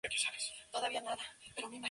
Su presidente es Friedrich Dominicus.